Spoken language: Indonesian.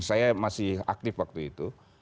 saya masih aktif waktu itu